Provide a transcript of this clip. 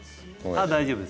ああ大丈夫です。